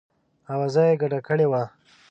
آوازه یې ګډه کړې وه.